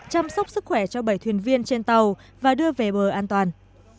chăm sóc sức khỏe cho bảy thuyền viên trên tàu và đưa về bờ an toàn